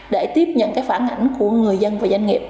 để tiếp nhận cái phản ảnh của người dân và doanh nghiệp